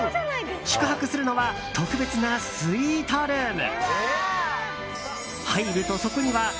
宿泊するのは特別なスイートルーム。